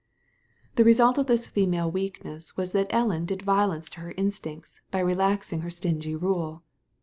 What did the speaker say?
The result of this feminine weakness was that Ellen did violence to her instincts by relaxing her stingy rule.